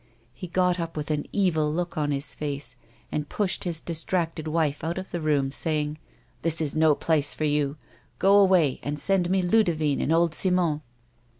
He got up with an evil look on his face, and pushed his distracted wife out of the room, saying, "This is no place for you. Go away and send me Ludivine and old Simon."